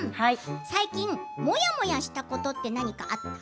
最近モヤモヤしたことって何かあった？